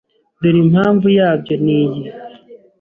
Dore impamvu yabyo niyi